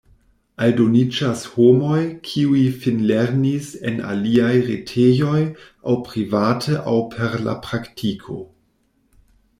Aldoniĝas homoj, kiuj finlernis en aliaj retejoj aŭ private aŭ per la praktiko.